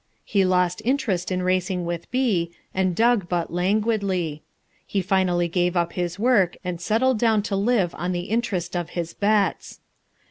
He lost interest in racing with B, and dug but languidly. He finally gave up his work and settled down to live on the interest of his bets.